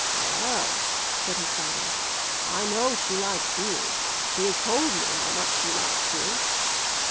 "Well," said his father, "I know she likes you. She has told me how much she likes you."